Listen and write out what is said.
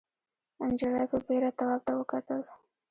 نجلۍ په بېره تواب ته وکتل.